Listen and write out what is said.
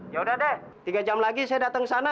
yaudah deh tiga jam lagi saya datang ke sana